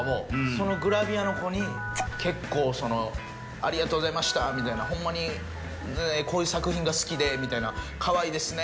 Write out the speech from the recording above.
そのグラビアの子に結構「ありがとうございましたホンマにこういう作品が好きでカワイイですね」